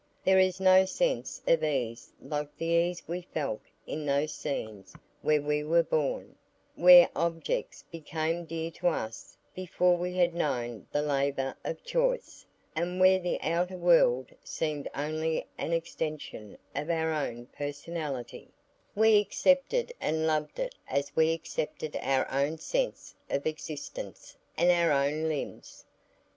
There is no sense of ease like the ease we felt in those scenes where we were born, where objects became dear to us before we had known the labour of choice, and where the outer world seemed only an extension of our own personality; we accepted and loved it as we accepted our own sense of existence and our own limbs.